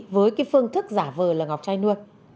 với cái phương thức giả vờ là ngọc chay nuôi